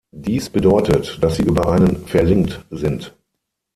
Dies bedeutet, dass sie über einen verlinkt sind.